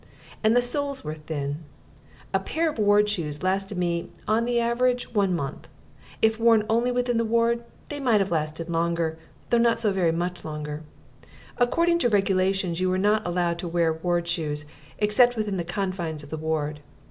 And the soles were thin. A pair of ward shoes lasted me on the average one month. If only worn within the ward they might have lasted longer though not so very much longer. According to regulations, you were not allowed to wear ward shoes except within the confines of the ward.